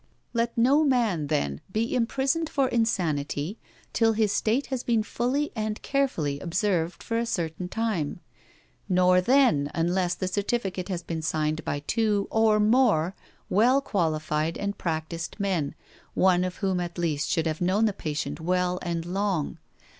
Let no man, then, be imprisoned for insanity till his state has been fully and carefully observed for a certain time; nor then, unless the certificate has been signed by two, or more, well qualified and practised men, one of whom at least should have known the patient well and long.